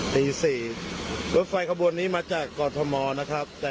นี่สิรถไฟขบวนนี้มาจากกอร์ธมอลนะครับแต่